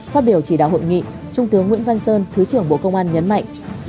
phát biểu chỉ đạo hội nghị trung tướng nguyễn văn sơn thứ trưởng bộ công an nhấn mạnh